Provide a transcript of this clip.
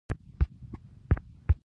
د چین کلتور او خواړه مشهور دي.